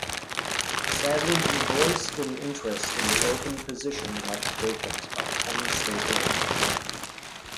Savage voiced an interest in the open position left vacant by Ken Stabler.